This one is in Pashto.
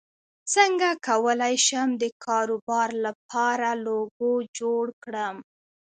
څنګه کولی شم د کاروبار لپاره لوګو جوړ کړم